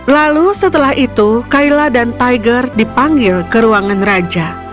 lalu setelah itu kaila dan tiger dipanggil ke ruangan raja